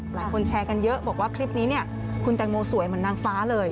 หลายคนแชร์กันเยอะบอกว่าคลิปนี้เนี่ยคุณแตงโมสวยเหมือนนางฟ้าเลย